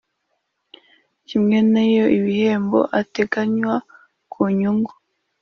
kimwe nay ibihembo ateganywa ku nyungu